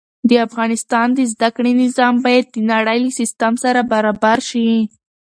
د افغانستان د زده کړې نظام باید د نړۍ له سيستم سره برابر شي.